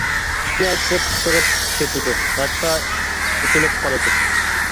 سۈت نەيچىسى قىسقىرىپ كېتىدۇ، ھەتتا ئېتىلىپ قالىدۇ.